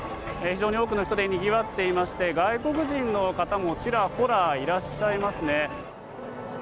非常に多くの人でにぎわっていまして外国人の方もちらほらいらっしゃいますね。